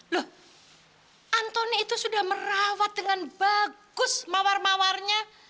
loh antoni itu sudah merawat dengan bagus mawar mawarnya